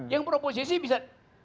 yang beroposisi bisa